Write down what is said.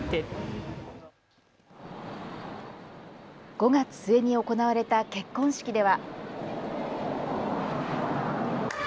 ５月末に行われた結婚式では。